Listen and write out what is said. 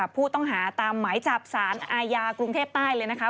ผู้ต้องหาตามหมายจับสารอาญากรุงเทพใต้เลยนะคะ